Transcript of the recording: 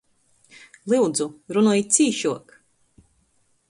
Lyudzu, runojit cīšuok!